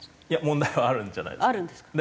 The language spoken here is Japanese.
問題はあるんじゃないですか。